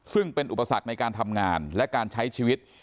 ซึ่งเป็นอุปสรรคในการทำงานและการใช้ชีวิต